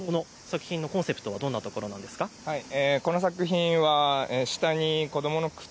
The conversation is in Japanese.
この作品のコンセプトはどんなことですか。